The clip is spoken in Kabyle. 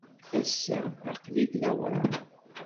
Ass-a, aql-ik d awraɣ.